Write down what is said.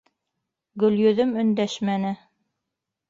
Гөлйөҙөм өндәшмәне.